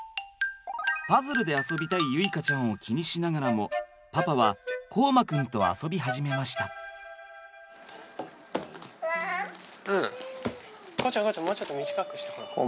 パズルで遊びたい結花ちゃんを気にしながらもパパは凰真くんと遊び始めました。